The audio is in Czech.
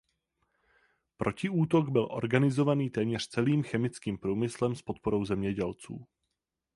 Protiútok byl organizovaný téměř celým chemickým průmyslem s podporou zemědělců.